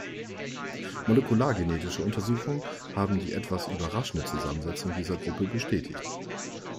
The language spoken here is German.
Molekulargenetische Untersuchungen haben die etwas überraschende Zusammensetzung dieser Gruppe bestätigt.